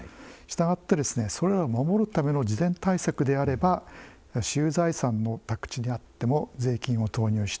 したがって、それらを守るための事前対策であれば私有財産の宅地であっても税金を投入して